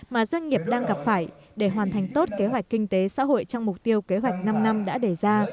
mà doanh nghiệp đang gặp phải để hoàn thành tốt kế hoạch kinh tế xã hội trong mục tiêu kế hoạch năm năm đã đề ra